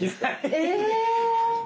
え！